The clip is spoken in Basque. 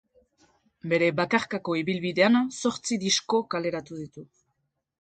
Bere bakarkako ibilbidean zortzi disko kaleratu ditu.